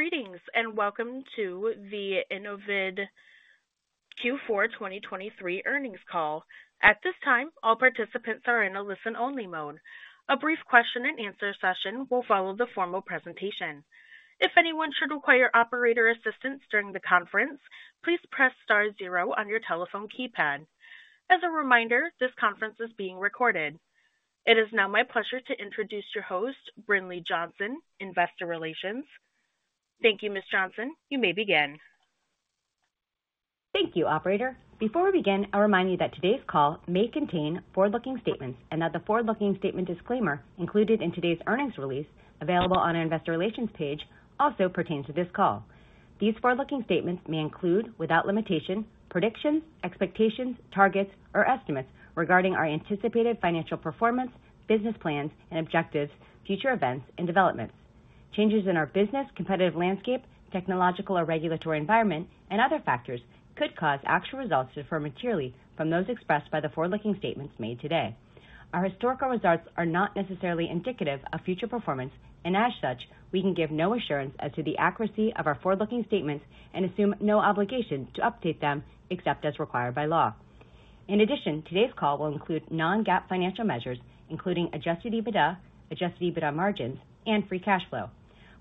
Greetings and welcome to the Innovid Q4 2023 Earnings Call. At this time, all participants are in a listen-only mode. A brief question-and-answer session will follow the formal presentation. If anyone should require operator assistance during the conference, please press star zero on your telephone keypad. As a reminder, this conference is being recorded. It is now my pleasure to introduce your host, Brinlea Johnson, Investor Relations. Thank you, Ms. Johnson. You may begin. Thank you, operator. Before we begin, I'll remind you that today's call may contain forward-looking statements and that the forward-looking statement disclaimer included in today's earnings release, available on our Investor Relations page, also pertains to this call. These forward-looking statements may include, without limitation, predictions, expectations, targets, or estimates regarding our anticipated financial performance, business plans, and objectives, future events, and developments. Changes in our business, competitive landscape, technological or regulatory environment, and other factors could cause actual results to differ materially from those expressed by the forward-looking statements made today. Our historical results are not necessarily indicative of future performance, and as such, we can give no assurance as to the accuracy of our forward-looking statements and assume no obligation to update them except as required by law. In addition, today's call will include non-GAAP financial measures, including adjusted EBITDA, adjusted EBITDA margins, and free cash flow.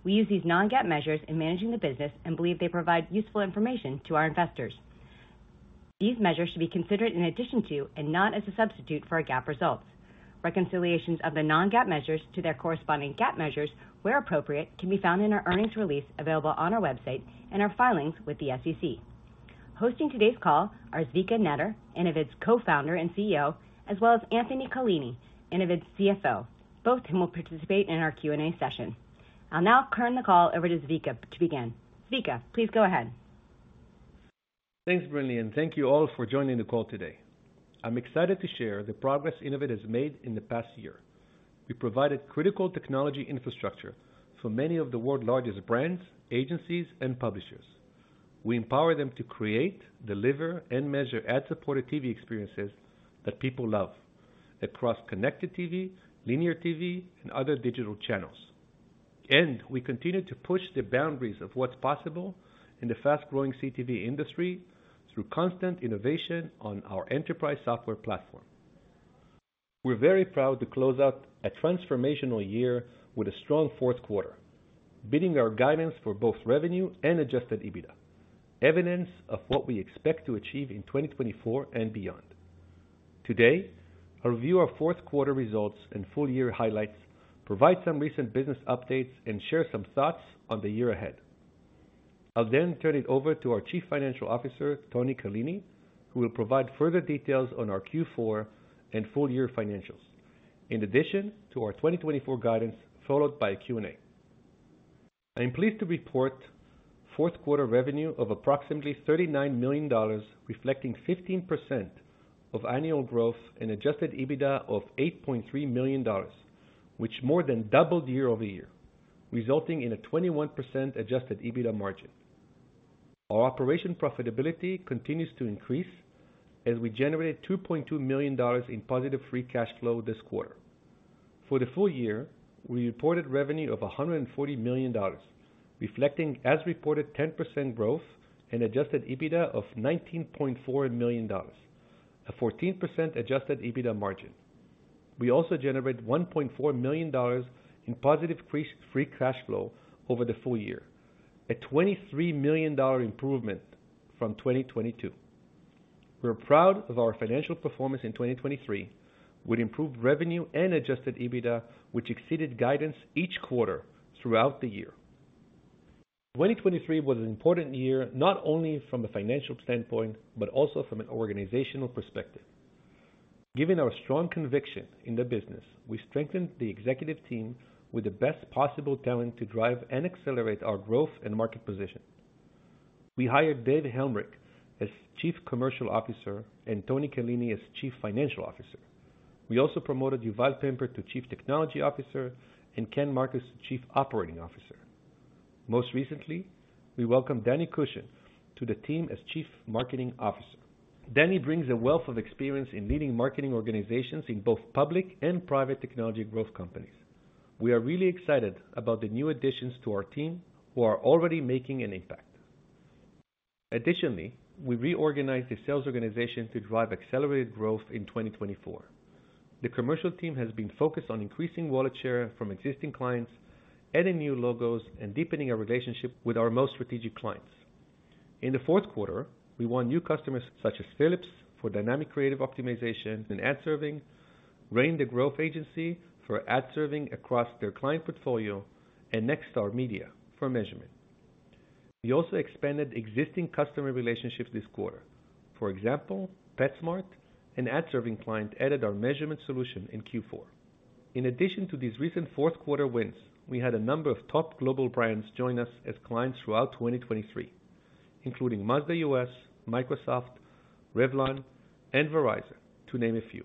We use these non-GAAP measures in managing the business and believe they provide useful information to our investors. These measures should be considered in addition to and not as a substitute for our GAAP results. Reconciliations of the non-GAAP measures to their corresponding GAAP measures, where appropriate, can be found in our earnings release available on our website and our filings with the SEC. Hosting today's call are Zvika Netter, Innovid's co-founder and CEO, as well as Anthony Callini, Innovid's CFO, both of whom will participate in our Q&A session. I'll now turn the call over to Zvika to begin. Zvika, please go ahead. Thanks, Brinlea, and thank you all for joining the call today. I'm excited to share the progress Innovid has made in the past year. We provided critical technology infrastructure for many of the world's largest brands, agencies, and publishers. We empower them to create, deliver, and measure ad-supported TV experiences that people love across connected TV, linear TV, and other digital channels. We continue to push the boundaries of what's possible in the fast-growing CTV industry through constant innovation on our enterprise software platform. We're very proud to close out a transformational year with a strong fourth quarter, beating our guidance for both revenue and adjusted EBITDA, evidence of what we expect to achieve in 2024 and beyond. Today, I'll review our fourth quarter results and full-year highlights, provide some recent business updates, and share some thoughts on the year ahead. I'll then turn it over to our Chief Financial Officer, Tony Callini, who will provide further details on our Q4 and full-year financials, in addition to our 2024 guidance followed by a Q&A. I am pleased to report fourth quarter revenue of approximately $39 million, reflecting 15% of annual growth and adjusted EBITDA of $8.3 million, which more than doubled year-over-year, resulting in a 21% adjusted EBITDA margin. Our operation profitability continues to increase as we generated $2.2 million in positive free cash flow this quarter. For the full year, we reported revenue of $140 million, reflecting, as reported, 10% growth and adjusted EBITDA of $19.4 million, a 14% adjusted EBITDA margin. We also generated $1.4 million in positive free cash flow over the full year, a $23 million improvement from 2022. We're proud of our financial performance in 2023 with improved revenue and adjusted EBITDA, which exceeded guidance each quarter throughout the year. 2023 was an important year not only from a financial standpoint but also from an organizational perspective. Given our strong conviction in the business, we strengthened the executive team with the best possible talent to drive and accelerate our growth and market position. We hired David Helmreich as Chief Commercial Officer and Tony Callini as Chief Financial Officer. We also promoted Yuval Pemper to Chief Technology Officer and Ken Markus to Chief Operating Officer. Most recently, we welcomed Dani Cushion to the team as Chief Marketing Officer. Dani brings a wealth of experience in leading marketing organizations in both public and private technology growth companies. We are really excited about the new additions to our team who are already making an impact. Additionally, we reorganized the sales organization to drive accelerated growth in 2024. The commercial team has been focused on increasing wallet share from existing clients, adding new logos, and deepening our relationship with our most strategic clients. In the fourth quarter, we won new customers such as Philips for dynamic creative optimization and ad serving, Rain the Growth Agency for ad serving across their client portfolio, and Nexstar Media for measurement. We also expanded existing customer relationships this quarter. For example, PetSmart, an ad-serving client, added our measurement solution in Q4. In addition to these recent fourth quarter wins, we had a number of top global brands join us as clients throughout 2023, including Mazda U.S., Microsoft, Revlon, and Verizon, to name a few.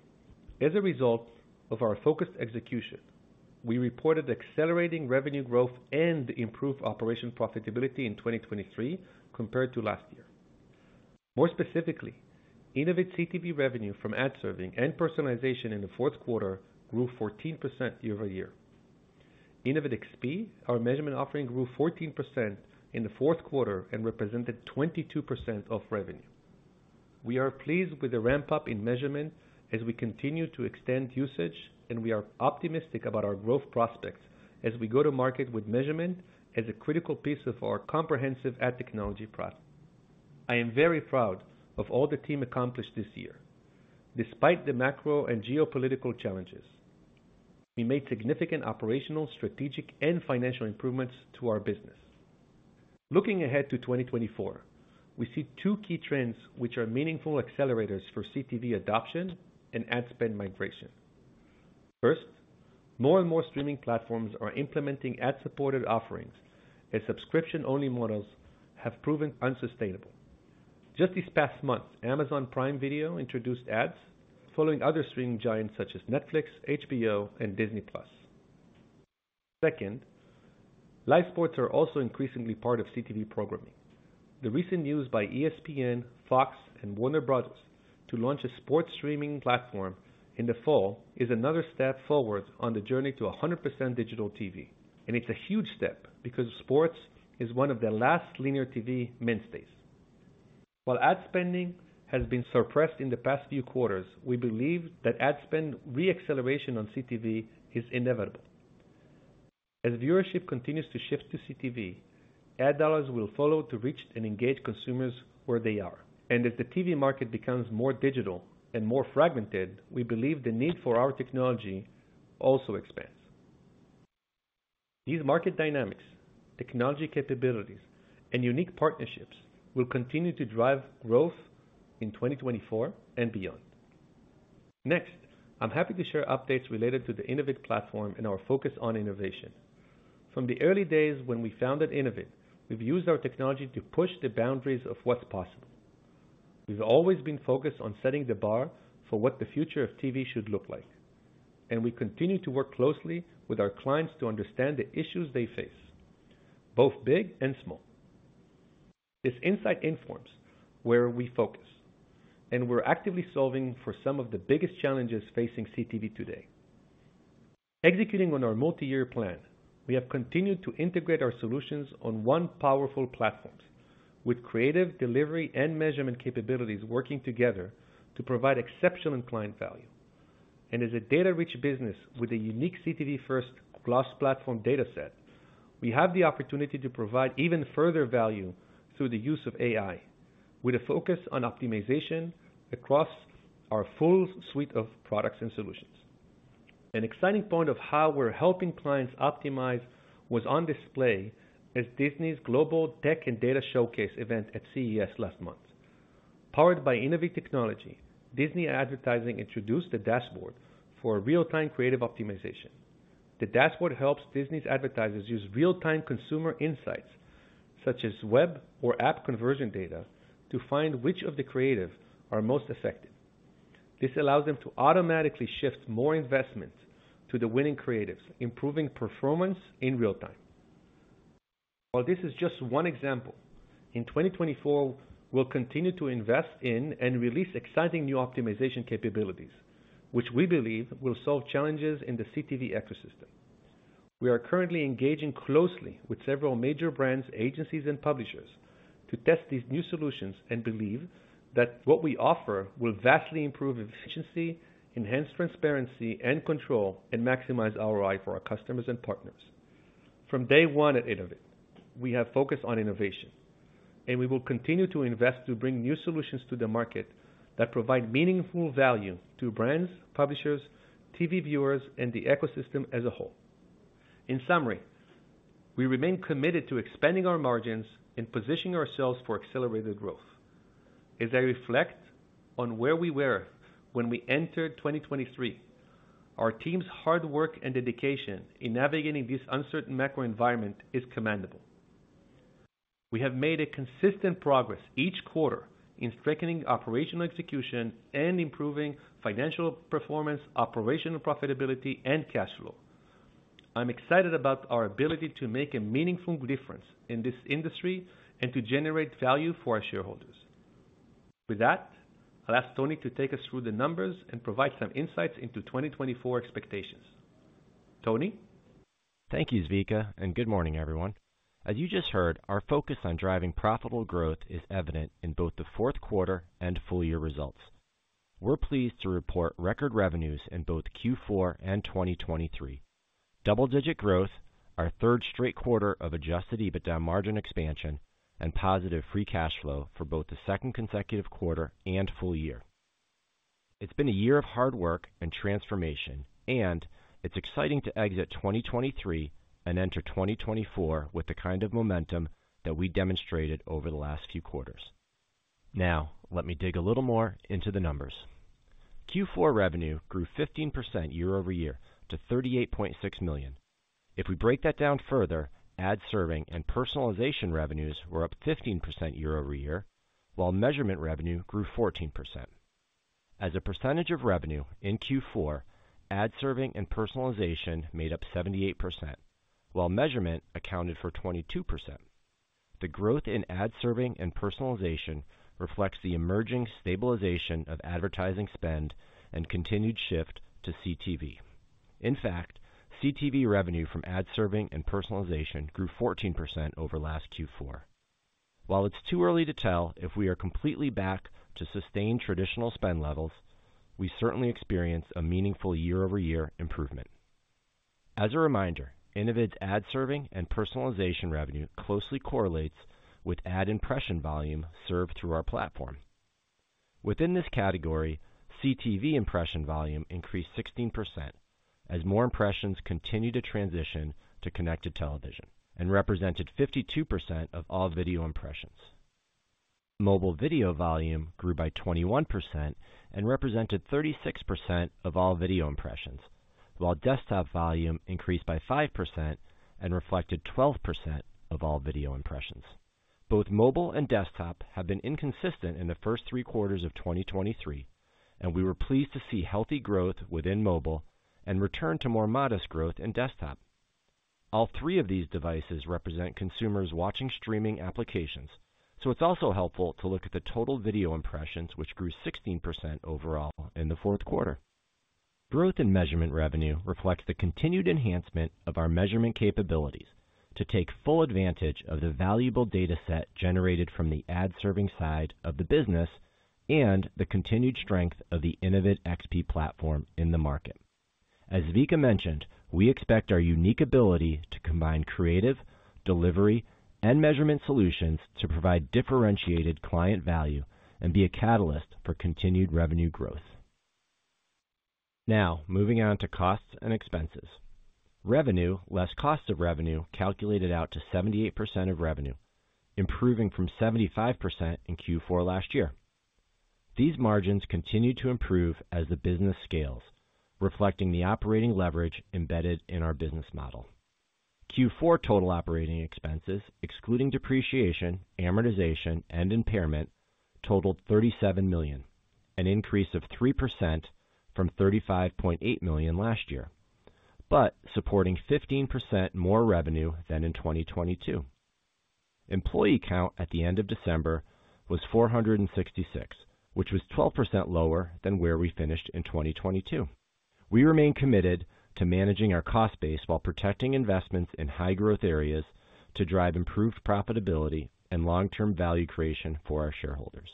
As a result of our focused execution, we reported accelerating revenue growth and improved operational profitability in 2023 compared to last year. More specifically, Innovid CTV revenue from ad serving and personalization in the fourth quarter grew 14% year-over-year. InnovidXP, our measurement offering, grew 14% in the fourth quarter and represented 22% of revenue. We are pleased with the ramp-up in measurement as we continue to extend usage, and we are optimistic about our growth prospects as we go to market with measurement as a critical piece of our comprehensive ad technology process. I am very proud of all the team accomplished this year. Despite the macro and geopolitical challenges, we made significant operational, strategic, and financial improvements to our business. Looking ahead to 2024, we see two key trends which are meaningful accelerators for CTV adoption and ad spend migration. First, more and more streaming platforms are implementing ad-supported offerings as subscription-only models have proven unsustainable. Just this past month, Amazon Prime Video introduced ads, following other streaming giants such as Netflix, HBO, and Disney+. Second, live sports are also increasingly part of CTV programming. The recent news by ESPN, Fox, and Warner Bros. to launch a sports streaming platform in the fall is another step forward on the journey to 100% digital TV, and it's a huge step because sports is one of the last linear TV mainstays. While ad spending has been suppressed in the past few quarters, we believe that ad spend re-acceleration on CTV is inevitable. As viewership continues to shift to CTV, ad dollars will follow to reach and engage consumers where they are. And as the TV market becomes more digital and more fragmented, we believe the need for our technology also expands. These market dynamics, technology capabilities, and unique partnerships will continue to drive growth in 2024 and beyond. Next, I'm happy to share updates related to the Innovid platform and our focus on innovation. From the early days when we founded Innovid, we've used our technology to push the boundaries of what's possible. We've always been focused on setting the bar for what the future of TV should look like, and we continue to work closely with our clients to understand the issues they face, both big and small. This insight informs where we focus, and we're actively solving for some of the biggest challenges facing CTV today. Executing on our multi-year plan, we have continued to integrate our solutions on one powerful platform, with creative delivery and measurement capabilities working together to provide exceptional client value. As a data-rich business with a unique CTV-first glass platform dataset, we have the opportunity to provide even further value through the use of AI, with a focus on optimization across our full suite of products and solutions. An exciting point of how we're helping clients optimize was on display at Disney's global tech and data showcase event at CES last month. Powered by Innovid technology, Disney Advertising introduced a dashboard for real-time creative optimization. The dashboard helps Disney's advertisers use real-time consumer insights, such as web or app conversion data, to find which of the creatives are most effective. This allows them to automatically shift more investment to the winning creatives, improving performance in real-time. While this is just one example, in 2024, we'll continue to invest in and release exciting new optimization capabilities, which we believe will solve challenges in the CTV ecosystem. We are currently engaging closely with several major brands, agencies, and publishers to test these new solutions and believe that what we offer will vastly improve efficiency, enhance transparency and control, and maximize ROI for our customers and partners. From day one at Innovid, we have focused on innovation, and we will continue to invest to bring new solutions to the market that provide meaningful value to brands, publishers, TV viewers, and the ecosystem as a whole. In summary, we remain committed to expanding our margins and positioning ourselves for accelerated growth. As I reflect on where we were when we entered 2023, our team's hard work and dedication in navigating this uncertain macro environment is commendable. We have made consistent progress each quarter in strengthening operational execution and improving financial performance, operational profitability, and cash flow. I'm excited about our ability to make a meaningful difference in this industry and to generate value for our shareholders. With that, I'll ask Tony to take us through the numbers and provide some insights into 2024 expectations. Tony? Thank you, Zvika, and good morning, everyone. As you just heard, our focus on driving profitable growth is evident in both the fourth quarter and full-year results. We're pleased to report record revenues in both Q4 and 2023, double-digit growth, our third straight quarter of adjusted EBITDA margin expansion, and positive free cash flow for both the second consecutive quarter and full year. It's been a year of hard work and transformation, and it's exciting to exit 2023 and enter 2024 with the kind of momentum that we demonstrated over the last few quarters. Now, let me dig a little more into the numbers. Q4 revenue grew 15% year-over-year to $38.6 million. If we break that down further, ad serving and personalization revenues were up 15% year-over-year, while measurement revenue grew 14%. As a percentage of revenue in Q4, ad serving and personalization made up 78%, while measurement accounted for 22%. The growth in ad serving and personalization reflects the emerging stabilization of advertising spend and continued shift to CTV. In fact, CTV revenue from ad serving and personalization grew 14% over last Q4. While it's too early to tell if we are completely back to sustained traditional spend levels, we certainly experienced a meaningful year-over-year improvement. As a reminder, Innovid's ad serving and personalization revenue closely correlates with ad impression volume served through our platform. Within this category, CTV impression volume increased 16% as more impressions continued to transition to connected television and represented 52% of all video impressions. Mobile video volume grew by 21% and represented 36% of all video impressions, while desktop volume increased by 5% and reflected 12% of all video impressions. Both mobile and desktop have been inconsistent in the first three quarters of 2023, and we were pleased to see healthy growth within mobile and return to more modest growth in desktop. All three of these devices represent consumers watching streaming applications, so it's also helpful to look at the total video impressions, which grew 16% overall in the fourth quarter. Growth in measurement revenue reflects the continued enhancement of our measurement capabilities to take full advantage of the valuable dataset generated from the ad serving side of the business and the continued strength of the InnovidXP platform in the market. As Zvika mentioned, we expect our unique ability to combine creative, delivery, and measurement solutions to provide differentiated client value and be a catalyst for continued revenue growth. Now, moving on to costs and expenses. Revenue, less cost of revenue, calculated out to 78% of revenue, improving from 75% in Q4 last year. These margins continue to improve as the business scales, reflecting the operating leverage embedded in our business model. Q4 total operating expenses, excluding depreciation, amortization, and impairment, totaled $37 million, an increase of 3% from $35.8 million last year, but supporting 15% more revenue than in 2022. Employee count at the end of December was 466, which was 12% lower than where we finished in 2022. We remain committed to managing our cost base while protecting investments in high-growth areas to drive improved profitability and long-term value creation for our shareholders.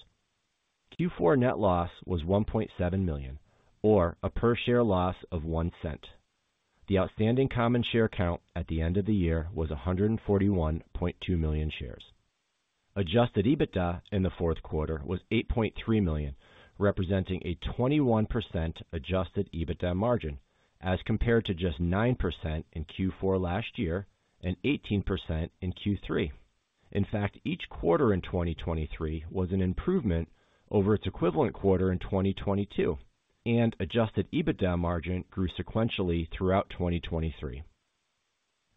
Q4 net loss was $1.7 million, or a per-share loss of $0.01. The outstanding common share count at the end of the year was 141.2 million shares. Adjusted EBITDA in the fourth quarter was $8.3 million, representing a 21% adjusted EBITDA margin as compared to just 9% in Q4 last year and 18% in Q3. In fact, each quarter in 2023 was an improvement over its equivalent quarter in 2022, and adjusted EBITDA margin grew sequentially throughout 2023.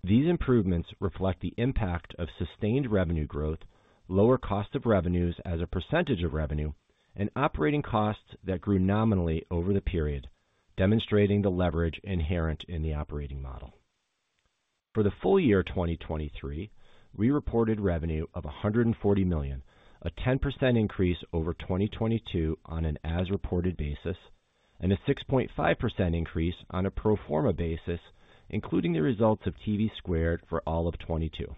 These improvements reflect the impact of sustained revenue growth, lower cost of revenues as a percentage of revenue, and operating costs that grew nominally over the period, demonstrating the leverage inherent in the operating model. For the full year 2023, we reported revenue of $140 million, a 10% increase over 2022 on an as-reported basis, and a 6.5% increase on a pro forma basis, including the results of TVSquared for all of 2022.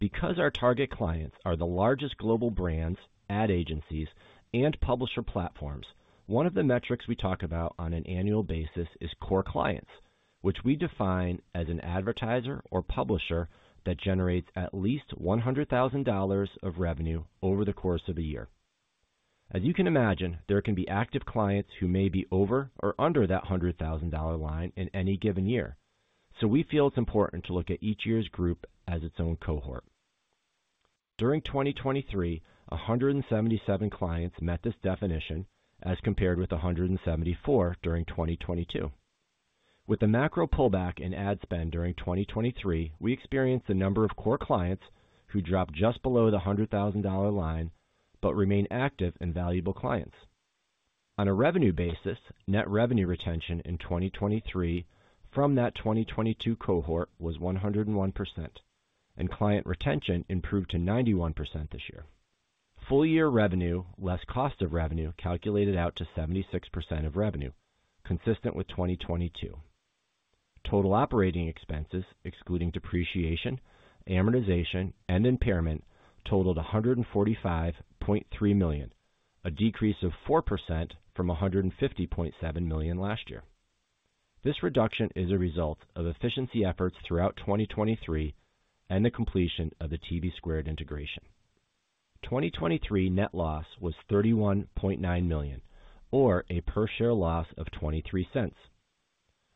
Because our target clients are the largest global brands, ad agencies, and publisher platforms, one of the metrics we talk about on an annual basis is core clients, which we define as an advertiser or publisher that generates at least $100,000 of revenue over the course of a year. As you can imagine, there can be active clients who may be over or under that $100,000 line in any given year, so we feel it's important to look at each year's group as its own cohort. During 2023, 177 clients met this definition as compared with 174 during 2022. With the macro pullback in ad spend during 2023, we experienced a number of core clients who dropped just below the $100,000 line but remain active and valuable clients. On a revenue basis, net revenue retention in 2023 from that 2022 cohort was 101%, and client retention improved to 91% this year. Full-year revenue, less cost of revenue, calculated out to 76% of revenue, consistent with 2022. Total operating expenses, excluding depreciation, amortization, and impairment, totaled $145.3 million, a decrease of 4% from $150.7 million last year. This reduction is a result of efficiency efforts throughout 2023 and the completion of the TVSquared integration. 2023 net loss was $31.9 million, or a per-share loss of $0.23.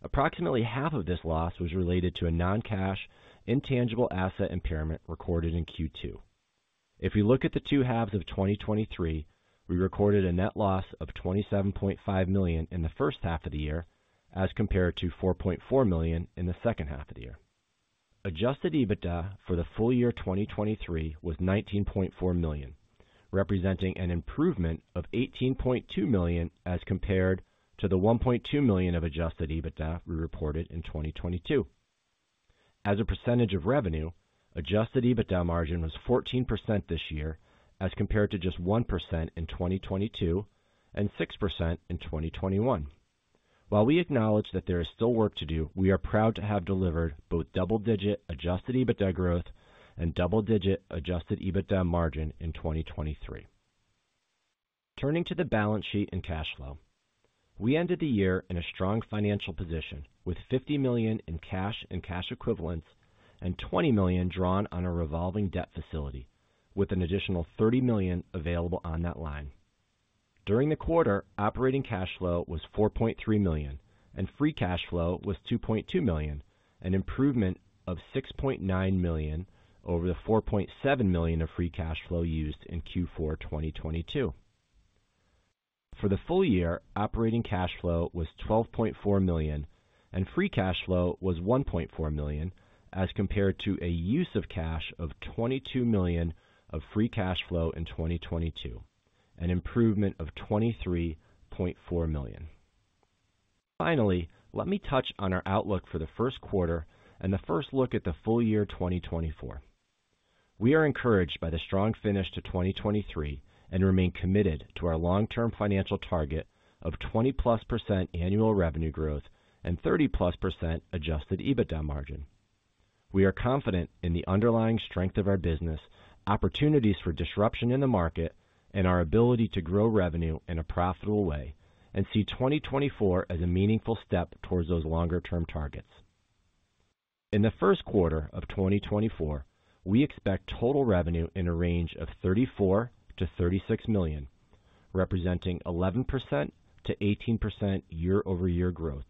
Approximately 1/2 of this loss was related to a non-cash, intangible asset impairment recorded in Q2. If we look at the two halves of 2023, we recorded a net loss of $27.5 million in the first half of the year as compared to $4.4 million in the second half of the year. Adjusted EBITDA for the full year 2023 was $19.4 million, representing an improvement of $18.2 million as compared to the $1.2 million of adjusted EBITDA we reported in 2022. As a percentage of revenue, adjusted EBITDA margin was 14% this year as compared to just 1% in 2022 and 6% in 2021. While we acknowledge that there is still work to do, we are proud to have delivered both double-digit adjusted EBITDA growth and double-digit adjusted EBITDA margin in 2023. Turning to the balance sheet and cash flow, we ended the year in a strong financial position with $50 million in cash and cash equivalents and $20 million drawn on a revolving debt facility, with an additional $30 million available on that line. During the quarter, operating cash flow was $4.3 million, and free cash flow was $2.2 million, an improvement of $6.9 million over the $4.7 million of free cash flow used in Q4 2022. For the full year, operating cash flow was $12.4 million, and free cash flow was $1.4 million as compared to a use of cash of $22 million of free cash flow in 2022, an improvement of $23.4 million. Finally, let me touch on our outlook for the first quarter and the first look at the full year 2024. We are encouraged by the strong finish to 2023 and remain committed to our long-term financial target of 20%+ annual revenue growth and 30%+ adjusted EBITDA margin. We are confident in the underlying strength of our business, opportunities for disruption in the market, and our ability to grow revenue in a profitable way and see 2024 as a meaningful step towards those longer-term targets. In the first quarter of 2024, we expect total revenue in a range of $34 million-$36 million, representing 11%-18% year-over-year growth.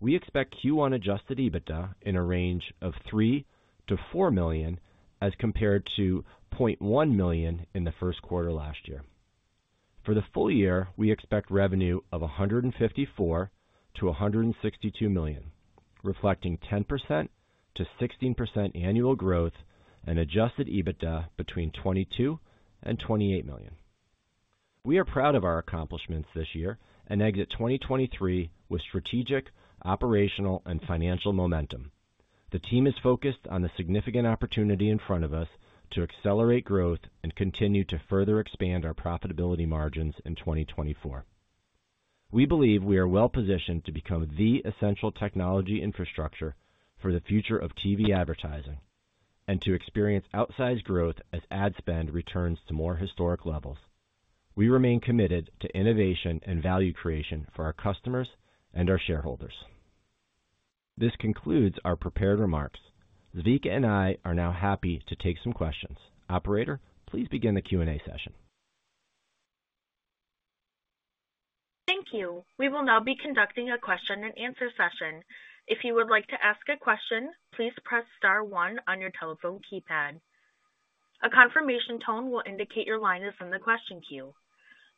We expect Q1 adjusted EBITDA in a range of $3 million-$4 million as compared to $0.1 million in the first quarter last year. For the full year, we expect revenue of $154 million-$162 million, reflecting 10%-16% annual growth and adjusted EBITDA between $22 million and $28 million. We are proud of our accomplishments this year and exit 2023 with strategic, operational, and financial momentum. The team is focused on the significant opportunity in front of us to accelerate growth and continue to further expand our profitability margins in 2024. We believe we are well-positioned to become the essential technology infrastructure for the future of TV advertising and to experience outsized growth as ad spend returns to more historic levels. We remain committed to innovation and value creation for our customers and our shareholders. This concludes our prepared remarks. Zvika and I are now happy to take some questions. Operator, please begin the Q&A session. Thank you. We will now be conducting a question-and-answer session. If you would like to ask a question, please press star one on your telephone keypad. A confirmation tone will indicate your line is in the question queue.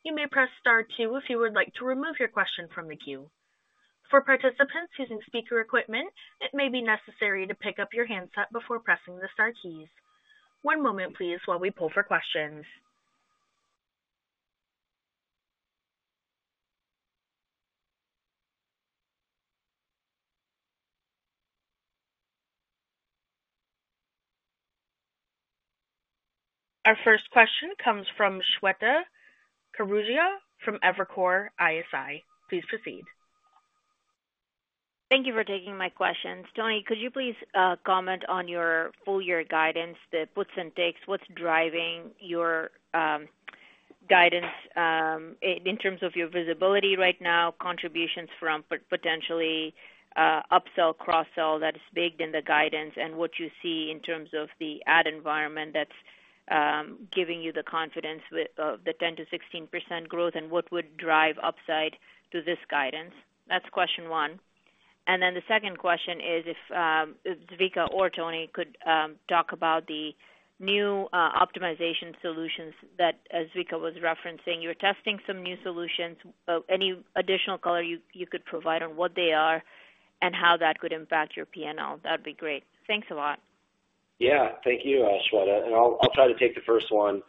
You may press star two if you would like to remove your question from the queue. For participants using speaker equipment, it may be necessary to pick up your handset before pressing the star keys. One moment, please, while we pull for questions. Our first question comes from Shweta Khajuria from Evercore ISI. Please proceed. Thank you for taking my questions. Tony, could you please comment on your full-year guidance, the puts and takes, what's driving your guidance in terms of your visibility right now, contributions from potentially upsell, cross-sell that is baked in the guidance, and what you see in terms of the ad environment that's giving you the confidence of the 10%-16% growth, and what would drive upside to this guidance? That's question one. And then the second question is if Zvika or Tony could talk about the new optimization solutions that Zvika was referencing. You're testing some new solutions. Any additional color you could provide on what they are and how that could impact your P&L? That'd be great. Thanks a lot. Yeah. Thank you, Shweta. I'll try to take the first one,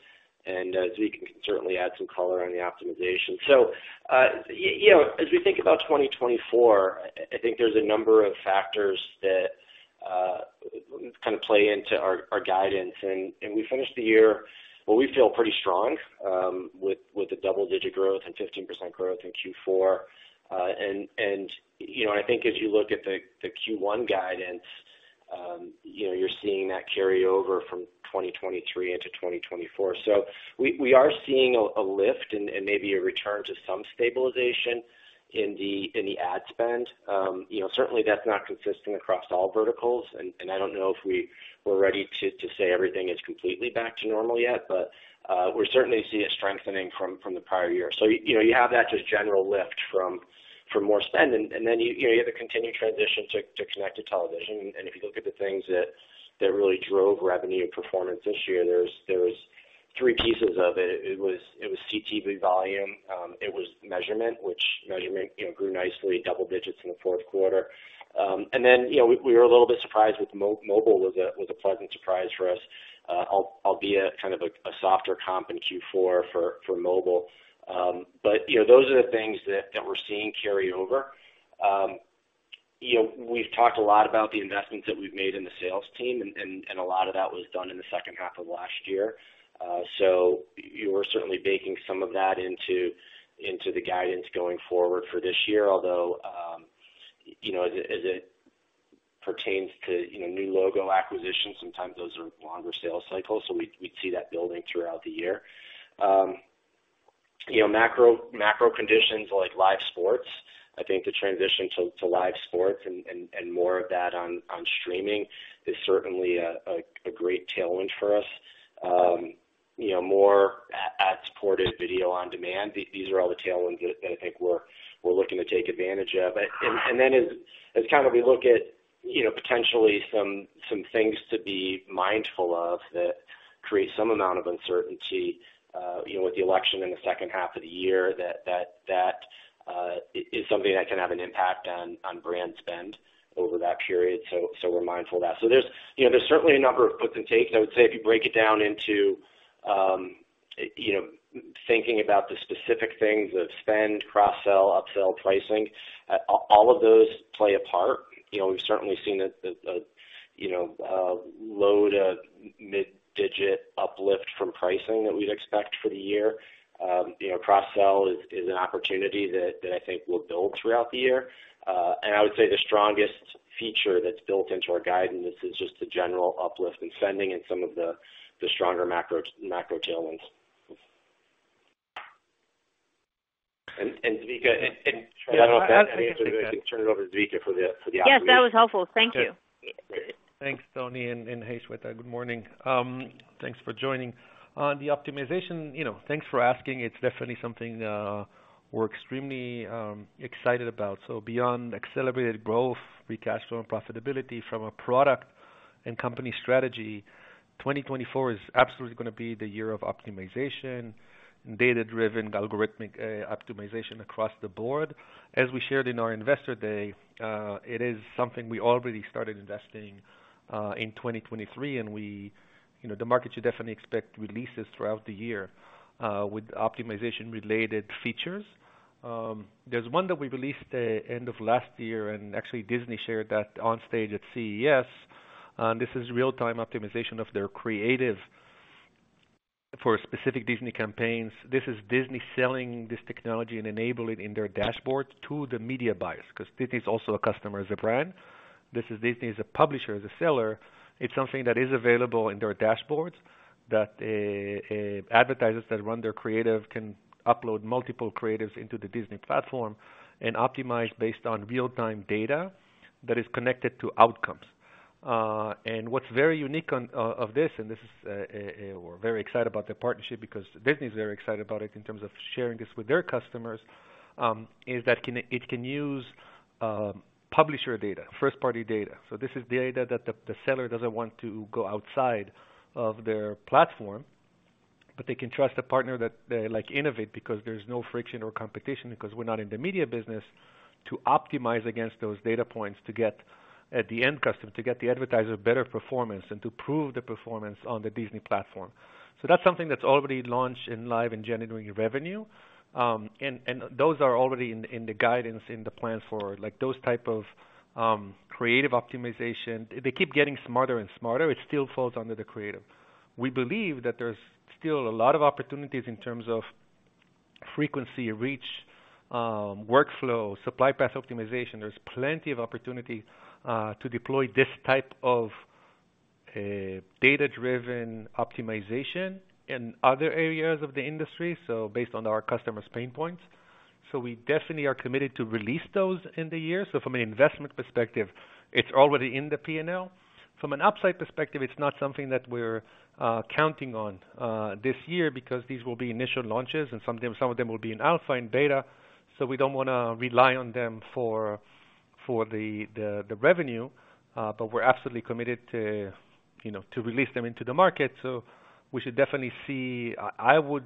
and Zvika can certainly add some color on the optimization. As we think about 2024, I think there's a number of factors that kind of play into our guidance. We finished the year well, we feel pretty strong with the double-digit growth and 15% growth in Q4. I think as you look at the Q1 guidance, you're seeing that carry over from 2023 into 2024. We are seeing a lift and maybe a return to some stabilization in the ad spend. Certainly, that's not consistent across all verticals, and I don't know if we're ready to say everything is completely back to normal yet, but we're certainly seeing it strengthening from the prior year. You have that just general lift from more spend, and then you have the continued transition to connected television. If you look at the things that really drove revenue performance this year, there was three pieces of it. It was CTV volume. It was measurement, which measurement grew nicely, double digits in the fourth quarter. Then we were a little bit surprised with mobile, it was a pleasant surprise for us, albeit kind of a softer comp in Q4 for mobile. Those are the things that we're seeing carry over. We've talked a lot about the investments that we've made in the sales team, and a lot of that was done in the second half of last year. So you were certainly baking some of that into the guidance going forward for this year, although as it pertains to new logo acquisitions, sometimes those are longer sales cycles, so we'd see that building throughout the year. Macro conditions like live sports, I think the transition to live sports and more of that on streaming is certainly a great tailwind for us. More ad-supported video on demand, these are all the tailwinds that I think we're looking to take advantage of. And then as kind of we look at potentially some things to be mindful of that create some amount of uncertainty with the election in the second half of the year, that is something that can have an impact on brand spend over that period, so we're mindful of that. So there's certainly a number of puts and takes. I would say if you break it down into thinking about the specific things of spend, cross-sell, upsell, pricing, all of those play a part. We've certainly seen a load of mid-digit uplift from pricing that we'd expect for the year. Cross-sell is an opportunity that I think will build throughout the year. I would say the strongest feature that's built into our guidance is just the general uplift in spending and some of the stronger macro tailwinds. Zvika, I don't know if that answered it. I can turn it over to Zvika for the opportunity. Yes. That was helpful. Thank you. Thanks, Tony and Hi Shweta. Good morning. Thanks for joining. On the optimization, thanks for asking. It's definitely something we're extremely excited about. So beyond accelerated growth, free cash flow, and profitability from a product and company strategy, 2024 is absolutely going to be the year of optimization and data-driven algorithmic optimization across the board. As we shared in our Investor Day, it is something we already started investing in 2023, and the market should definitely expect releases throughout the year with optimization-related features. There's one that we released the end of last year, and actually, Disney shared that on stage at CES. This is real-time optimization of their creative for specific Disney campaigns. This is Disney selling this technology and enabling it in their dashboard to the media buyers because Disney is also a customer as a brand. Disney is a publisher, is a seller. It's something that is available in their dashboards that advertisers that run their creative can upload multiple creatives into the Disney platform and optimize based on real-time data that is connected to outcomes. What's very unique of this and we're very excited about the partnership because Disney is very excited about it in terms of sharing this with their customers is that it can use publisher data, first-party data. This is data that the seller doesn't want to go outside of their platform, but they can trust a partner like Innovid because there's no friction or competition because we're not in the media business to optimize against those data points to get the end customer, to get the advertiser better performance, and to prove the performance on the Disney platform. That's something that's already launched and live and generating revenue. Those are already in the guidance, in the plans for those types of creative optimization. They keep getting smarter and smarter. It still falls under the creative. We believe that there's still a lot of opportunities in terms of frequency, reach, workflow, supply path optimization. There's plenty of opportunity to deploy this type of data-driven optimization in other areas of the industry, so based on our customer's pain points. We definitely are committed to release those in the year. From an investment perspective, it's already in the P&L. From an upside perspective, it's not something that we're counting on this year because these will be initial launches, and some of them will be in alpha and beta, so we don't want to rely on them for the revenue. We're absolutely committed to release them into the market. So, we should definitely see. I would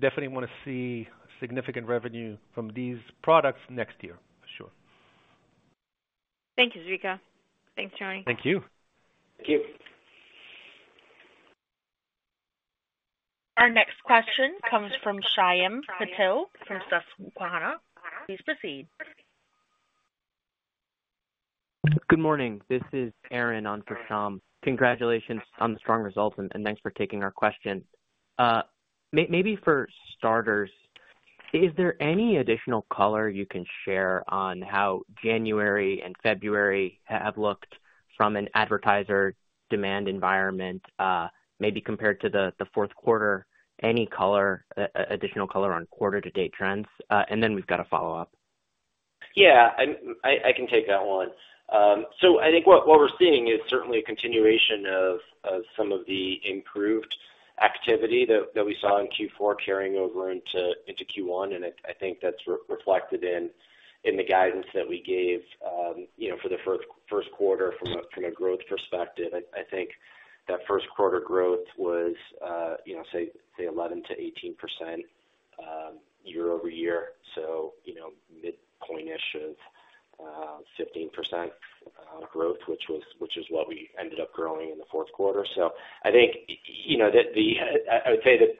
definitely want to see significant revenue from these products next year, for sure. Thank you, Zvika. Thanks, Tony. Thank you. Thank you. Our next question comes from Shyam Patil from Susquehanna. Please proceed. Good morning. This is Aaron on Shyam. Congratulations on the strong results, and thanks for taking our question. Maybe for starters, is there any additional color you can share on how January and February have looked from an advertiser demand environment, maybe compared to the fourth quarter? Any additional color on quarter-to-date trends? And then we've got a follow-up. Yeah. I can take that one. So I think what we're seeing is certainly a continuation of some of the improved activity that we saw in Q4 carrying over into Q1, and I think that's reflected in the guidance that we gave for the first quarter from a growth perspective. I think that first quarter growth was, say, 11%-18% year-over-year, so midpoint-ish of 15% growth, which is what we ended up growing in the fourth quarter. So I think that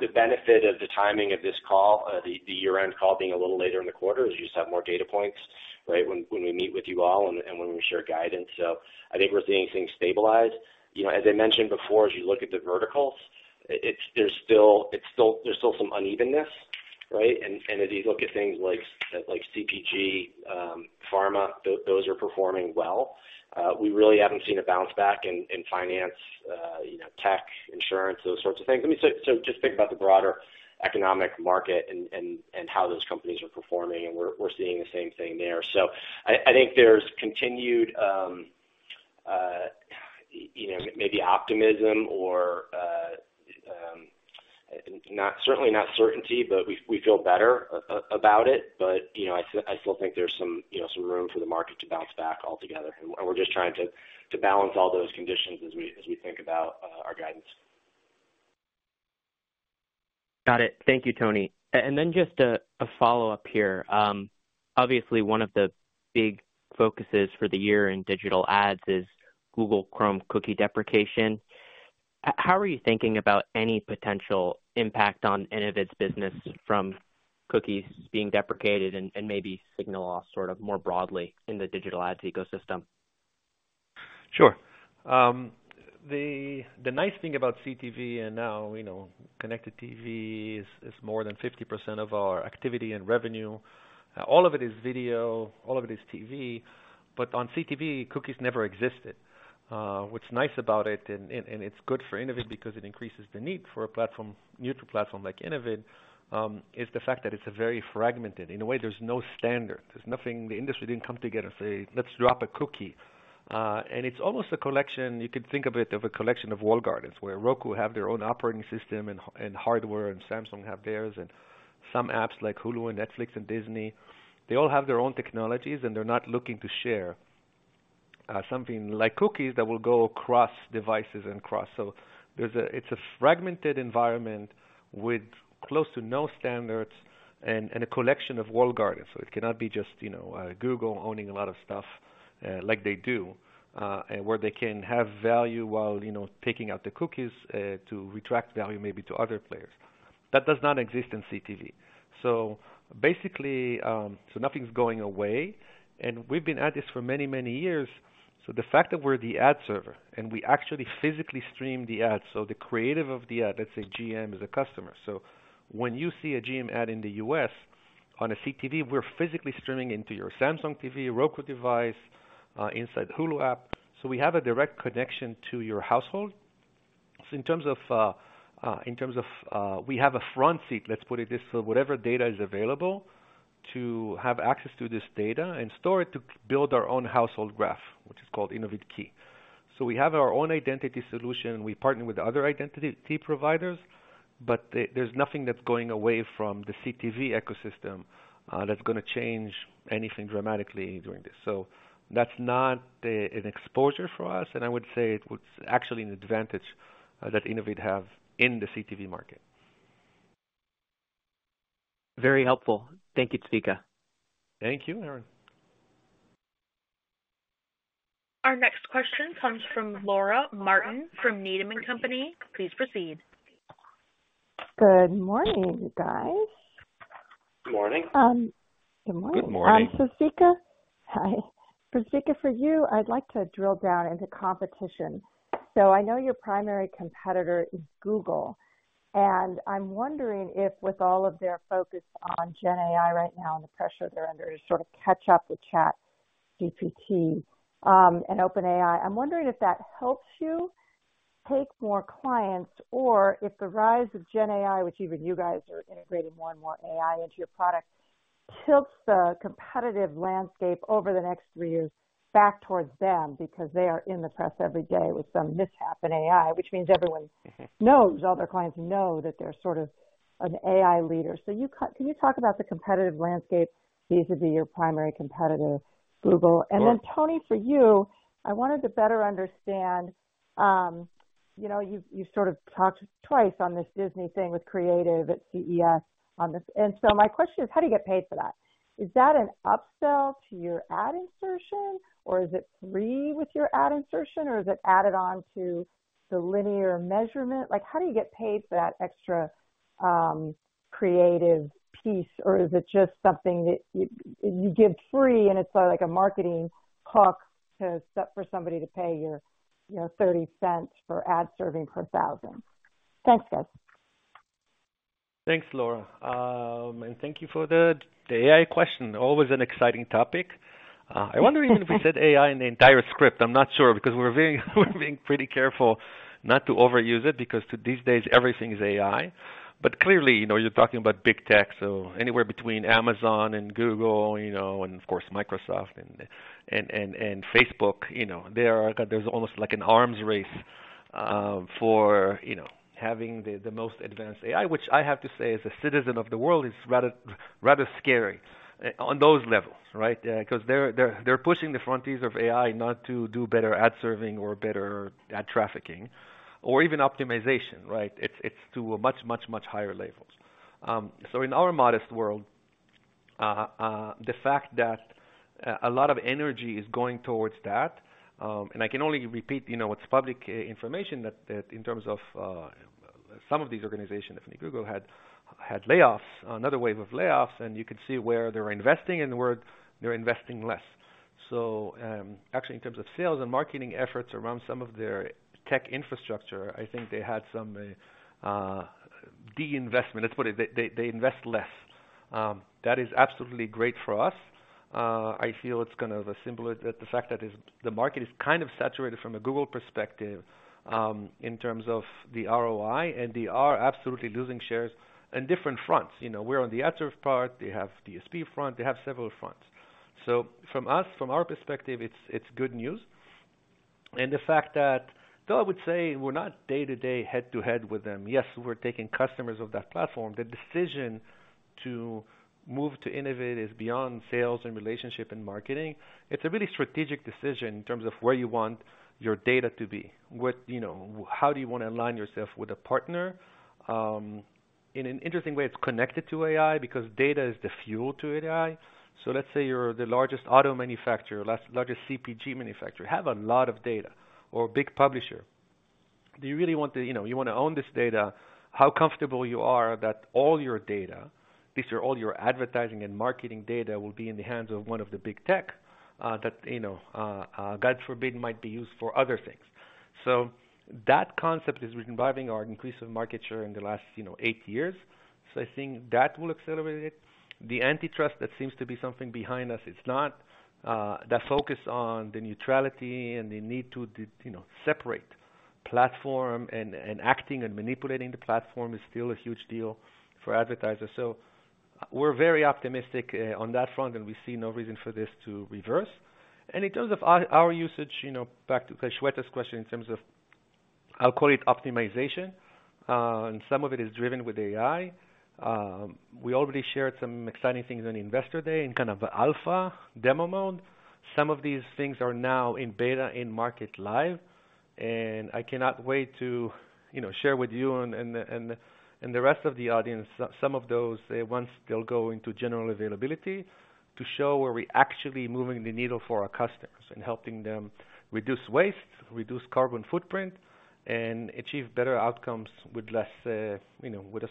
the benefit of the timing of this call, the year-end call being a little later in the quarter, is you just have more data points, right, when we meet with you all and when we share guidance. So I think we're seeing things stabilize. As I mentioned before, as you look at the verticals, there's still some unevenness, right? And as you look at things like CPG, pharma, those are performing well. We really haven't seen a bounce back in finance, tech, insurance, those sorts of things. So just think about the broader economic market and how those companies are performing, and we're seeing the same thing there. So I think there's continued maybe optimism or certainly not certainty, but we feel better about it. But I still think there's some room for the market to bounce back altogether, and we're just trying to balance all those conditions as we think about our guidance. Got it. Thank you, Tony. And then just a follow-up here. Obviously, one of the big focuses for the year in digital ads is Google Chrome cookie deprecation. How are you thinking about any potential impact on Innovid's business from cookies being deprecated and maybe signal loss sort of more broadly in the digital ads ecosystem? Sure. The nice thing about CTV and now connected TV is more than 50% of our activity and revenue. All of it is video. All of it is TV. But on CTV, cookies never existed. What's nice about it, and it's good for Innovid because it increases the need for a neutral platform like Innovid, is the fact that it's very fragmented. In a way, there's no standard. The industry didn't come together and say, let's drop a cookie And it's almost a collection. You could think of it as a collection of walled gardens where Roku have their own operating system and hardware and Samsung have theirs, and some apps like Hulu and Netflix and Disney, they all have their own technologies, and they're not looking to share something like cookies that will go across devices and across. So it's a fragmented environment with close to no standards and a collection of walled gardens. So it cannot be just Google owning a lot of stuff like they do, where they can have value while taking out the cookies to extract value maybe to other players. That does not exist in CTV. So nothing's going away, and we've been at this for many, many years. So the fact that we're the ad server and we actually physically stream the ads, so the creative of the ad, let's say GM is a customer. So when you see a GM ad in the U.S. on a CTV, we're physically streaming into your Samsung TV, Roku device, inside the Hulu app. So we have a direct connection to your household. So in terms of we have a front seat, let's put it this way, whatever data is available to have access to this data and store it to build our own household graph, which is called Innovid Key. So we have our own identity solution, and we partner with other identity providers, but there's nothing that's going away from the CTV ecosystem that's going to change anything dramatically during this. So that's not an exposure for us, and I would say it's actually an advantage that Innovid have in the CTV market. Very helpful. Thank you, Zvika. Thank you, Aaron. Our next question comes from Laura Martin from Needham & Company. Please proceed. Good morning, guys. Good morning. Good morning. Good morning. Hi Zvika. Hi. Zvika, for you, I'd like to drill down into competition. So I know your primary competitor is Google, and I'm wondering if with all of their focus on GenAI right now and the pressure they're under to sort of catch up with ChatGPT and OpenAI, I'm wondering if that helps you take more clients or if the rise of GenAI, which even you guys are integrating more and more AI into your product, tilts the competitive landscape over the next three years back towards them because they are in the press every day with some mishap in AI, which means everyone knows, all their clients know that they're sort of an AI leader. So can you talk about the competitive landscape vis-à-vis your primary competitor, Google? And then, Tony, for you, I wanted to better understand you've sort of talked twice on this Disney thing with creative at CES on this. And so my question is, how do you get paid for that? Is that an upsell to your ad insertion, or is it free with your ad insertion, or is it added onto the linear measurement? How do you get paid for that extra creative piece, or is it just something that you give free, and it's sort of like a marketing hook for somebody to pay your $0.30 for ad serving per 1,000? Thanks, guys. Thanks, Laura. And thank you for the AI question. Always an exciting topic. I wonder even if we said AI in the entire script. I'm not sure because we're being pretty careful not to overuse it because these days, everything is AI. But clearly, you're talking about big tech, so anywhere between Amazon and Google and, of course, Microsoft and Facebook, there's almost an arms race for having the most advanced AI, which I have to say, as a citizen of the world, is rather scary on those levels, right? Because they're pushing the frontiers of AI not to do better ad serving or better ad trafficking or even optimization, right? It's to a much, much, much higher level. So in our modest world, the fact that a lot of energy is going towards that and I can only repeat what's public information that in terms of some of these organizations, definitely Google, had layoffs, another wave of layoffs, and you could see where they were investing and where they were investing less. So actually, in terms of sales and marketing efforts around some of their tech infrastructure, I think they had some deinvestment. Let's put it. They invest less. That is absolutely great for us. I feel it's kind of assimilated that the fact that the market is kind of saturated from a Google perspective in terms of the ROI, and they are absolutely losing shares on different fronts. We're on the ad server part. They have DSP front. They have several fronts. So from us, from our perspective, it's good news. The fact that, though I would say we're not day-to-day head-to-head with them, yes, we're taking customers of that platform, the decision to move to Innovid is beyond sales and relationship and marketing. It's a really strategic decision in terms of where you want your data to be, how do you want to align yourself with a partner. In an interesting way, it's connected to AI because data is the fuel to AI. So let's say you're the largest auto manufacturer, largest CPG manufacturer, have a lot of data or a big publisher. Do you really want to own this data, how comfortable you are that all your data, at least all your advertising and marketing data, will be in the hands of one of the big tech that, God forbid, might be used for other things. So that concept is reviving our increase of market share in the last eight years. So I think that will accelerate it. The antitrust that seems to be something behind us, it's not. That focus on the neutrality and the need to separate platform and acting and manipulating the platform is still a huge deal for advertisers. So we're very optimistic on that front, and we see no reason for this to reverse. And in terms of our usage, back to Shweta's question, in terms of I'll call it optimization, and some of it is driven with AI. We already shared some exciting things on Investor Day in kind of alpha demo mode. Some of these things are now in beta, in market live, and I cannot wait to share with you and the rest of the audience some of those once they'll go into general availability to show where we're actually moving the needle for our customers and helping them reduce waste, reduce carbon footprint, and achieve better outcomes with a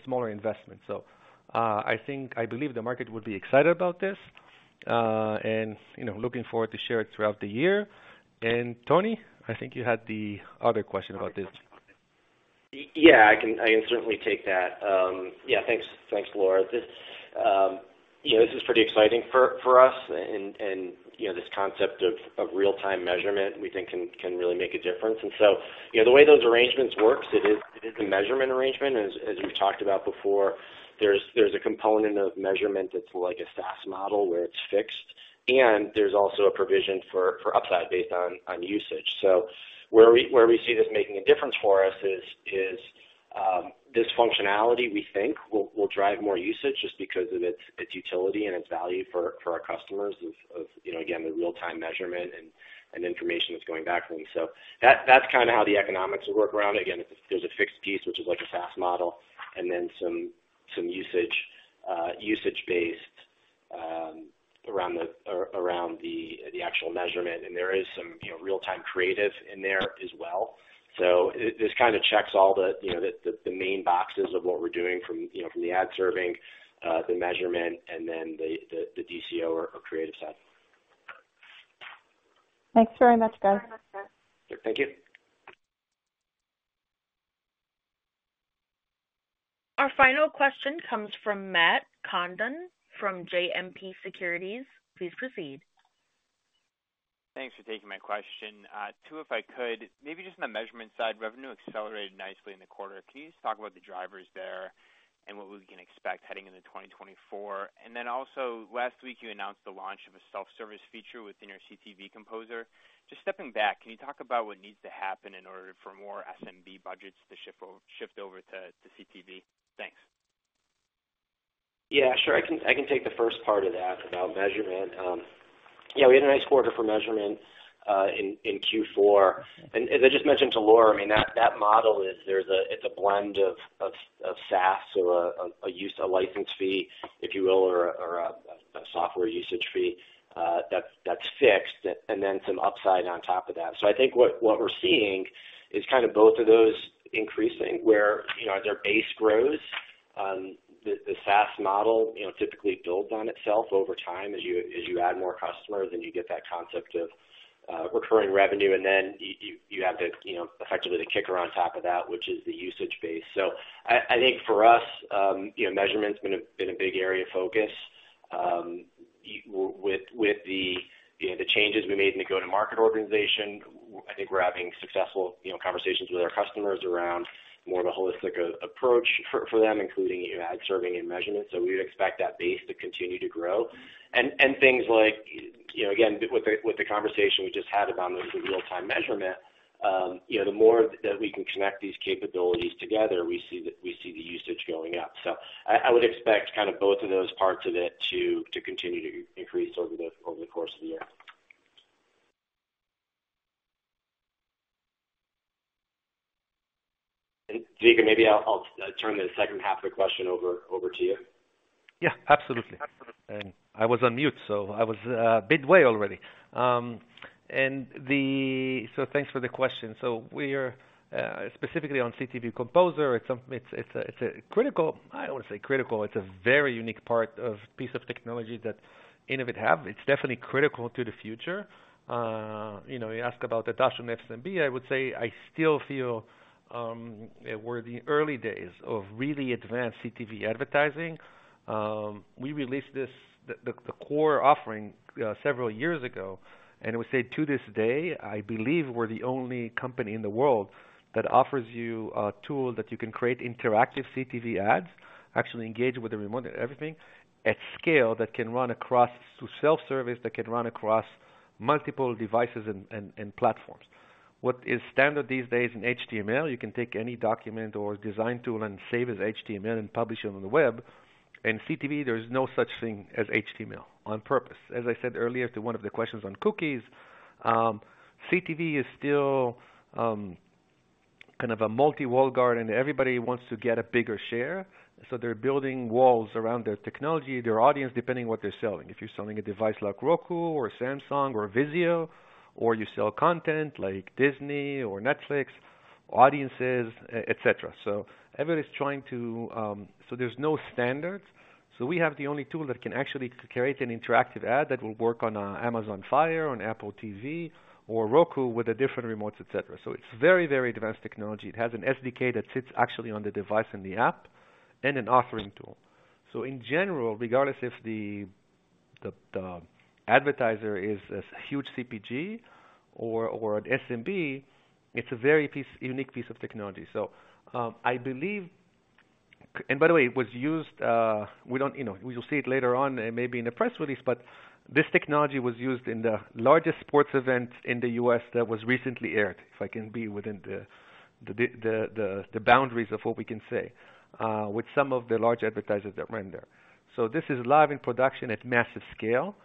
smaller investment. So I believe the market would be excited about this and looking forward to share it throughout the year. And Tony, I think you had the other question about this. Yeah. I can certainly take that. Yeah. Thanks, Laura. This is pretty exciting for us, and this concept of real-time measurement, we think, can really make a difference. So the way those arrangements work, it is a measurement arrangement. As we've talked about before, there's a component of measurement that's like a SaaS model where it's fixed, and there's also a provision for upside based on usage. So where we see this making a difference for us is this functionality, we think, will drive more usage just because of its utility and its value for our customers of, again, the real-time measurement and information that's going back to them. So that's kind of how the economics would work around it. Again, there's a fixed piece, which is like a SaaS model, and then some usage-based around the actual measurement. There is some real-time creative in there as well. This kind of checks all the main boxes of what we're doing from the Ad Serving, the measurement, and then the DCO or creative side. Thanks very much, guys. Thank you. Our final question comes from Matt Condon from JMP Securities. Please proceed. Thanks for taking my question. Two, if I could, maybe just on the measurement side, revenue accelerated nicely in the quarter. Can you just talk about the drivers there and what we can expect heading into 2024? And then also, last week, you announced the launch of a self-service feature within your CTV Composer. Just stepping back, can you talk about what needs to happen in order for more SMB budgets to shift over to CTV? Thanks. Yeah. Sure. I can take the first part of that about measurement. Yeah. We had a nice quarter for measurement in Q4. As I just mentioned to Laura, I mean, that model is, it's a blend of SaaS, so a license fee, if you will, or a software usage fee that's fixed, and then some upside on top of that. So I think what we're seeing is kind of both of those increasing where their base grows. The SaaS model typically builds on itself over time as you add more customers, and you get that concept of recurring revenue, and then you have effectively the kicker on top of that, which is the usage base. So I think for us, measurement's been a big area of focus. With the changes we made in the go-to-market organization, I think we're having successful conversations with our customers around more of a holistic approach for them, including ad serving and measurement. So we would expect that base to continue to grow. And things like, again, with the conversation we just had about the real-time measurement, the more that we can connect these capabilities together, we see the usage going up. So I would expect kind of both of those parts of it to continue to increase over the course of the year. And Zvika, maybe I'll turn the second half of the question over to you. Yeah. Absolutely. I was on mute, so I was a bit late already. Thanks for the question. We're specifically on CTV Composer. It's a critical. I don't want to say critical. It's a very unique piece of technology that Innovid have. It's definitely critical to the future. You ask about adoption of SMB. I would say I still feel we're in the early days of really advanced CTV advertising. We released the core offering several years ago, and I would say to this day, I believe we're the only company in the world that offers you a tool that you can create interactive CTV ads, actually engage with everything at scale that can run across to self-service that can run across multiple devices and platforms. What is standard these days in HTML? You can take any document or design tool and save as HTML and publish it on the web. In CTV, there's no such thing as HTML on purpose. As I said earlier to one of the questions on cookies, CTV is still kind of a multi-walled garden, and everybody wants to get a bigger share. So they're building walls around their technology, their audience, depending on what they're selling. If you're selling a device like Roku or Samsung or Vizio, or you sell content like Disney or Netflix, audiences, etc. So everybody's trying to, so there's no standards. So we have the only tool that can actually create an interactive ad that will work on Amazon Fire, on Apple TV, or Roku with different remotes, etc. So it's very, very advanced technology. It has an SDK that sits actually on the device in the app and an authoring tool. So in general, regardless if the advertiser is a huge CPG or an SMB, it's a very unique piece of technology. So I believe and by the way, it was used we'll see it later on, maybe in a press release, but this technology was used in the largest sports event in the U.S. that was recently aired, if I can be within the boundaries of what we can say, with some of the large advertisers that ran there. So this is live in production at massive scale.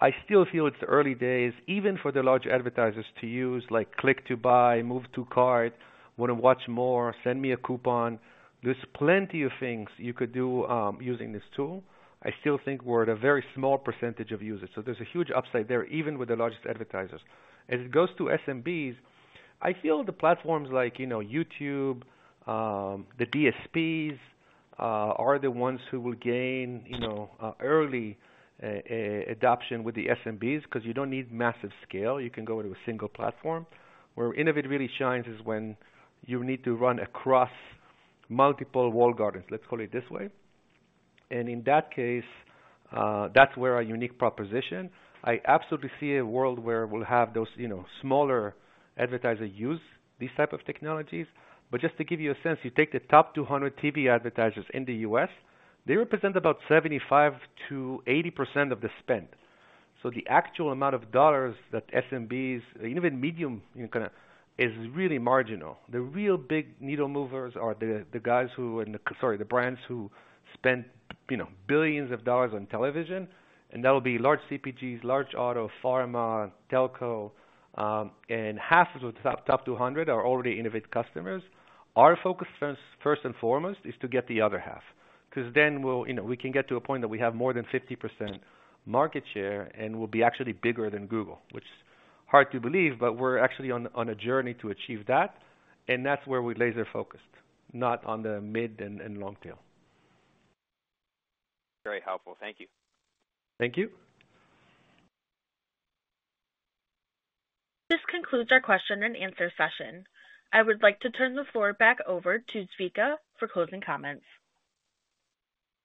I still feel it's the early days, even for the large advertisers to use like click to buy, move to cart, want to watch more, send me a coupon. There's plenty of things you could do using this tool. I still think we're at a very small percentage of users. So there's a huge upside there, even with the largest advertisers. As it goes to SMBs, I feel the platforms like YouTube, the DSPs, are the ones who will gain early adoption with the SMBs because you don't need massive scale. You can go into a single platform. Where Innovid really shines is when you need to run across multiple walled gardens, let's call it this way. And in that case, that's where our unique proposition. I absolutely see a world where we'll have those smaller advertisers use these types of technologies. But just to give you a sense, you take the top 200 TV advertisers in the U.S., they represent about 75%-80% of the spend. So the actual amount of dollars that SMBs, even medium kind of, is really marginal. The real big needle movers are the guys who and sorry, the brands who spent billions of dollars on television, and that'll be large CPGs, large auto, pharma, telco. And 1/2 of the top 200 are already Innovid customers. Our focus, first and foremost, is to get the other half because then we can get to a point that we have more than 50% market share, and we'll be actually bigger than Google, which is hard to believe, but we're actually on a journey to achieve that. And that's where we laser-focused, not on the mid and long tail. Very helpful. Thank you. Thank you. This concludes our question and answer session. I would like to turn the floor back over to Zvika for closing comments.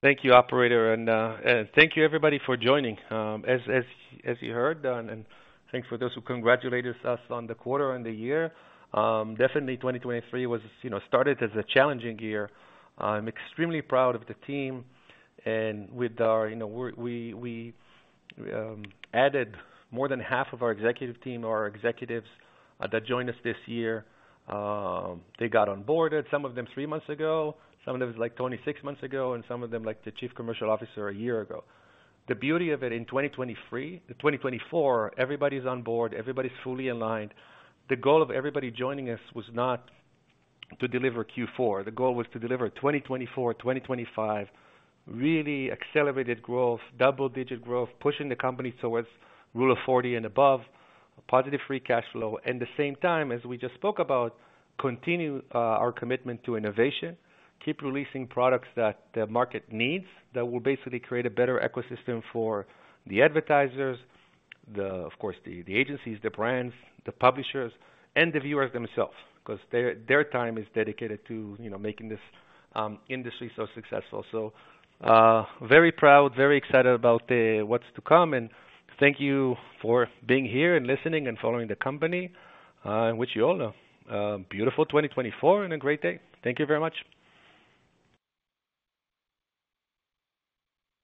Thank you, operator. Thank you, everybody, for joining. As you heard, and thanks for those who congratulated us on the quarter and the year. Definitely, 2023 started as a challenging year. I'm extremely proud of the team. We added more than 1/2 of our executive team or our executives that joined us this year. They got onboarded, some of them three months ago, some of them like 26 months ago, and some of them, like the Chief Commercial Officer, a year ago. The beauty of it in 2024, everybody's on board. Everybody's fully aligned. The goal of everybody joining us was not to deliver Q4. The goal was to deliver 2024, 2025, really accelerated growth, double-digit growth, pushing the company towards Rule of 40 and above, positive free cash flow, and at the same time, as we just spoke about, continue our commitment to innovation, keep releasing products that the market needs that will basically create a better ecosystem for the advertisers, of course, the agencies, the brands, the publishers, and the viewers themselves because their time is dedicated to making this industry so successful. Very proud, very excited about what's to come. Thank you for being here and listening and following the company, which you all know. Beautiful 2024 and a great day. Thank you very much.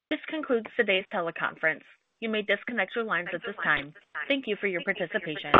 This concludes today's teleconference. You may disconnect your lines at this time. Thank you for your participation.